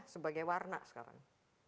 sebagai warna sekarang